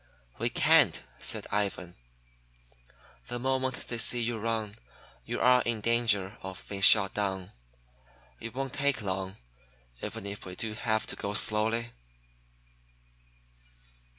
"We can't," said Ivan. "The moment they see you run, you are in danger of being shot down. It won't take long, even if we do have to go slowly."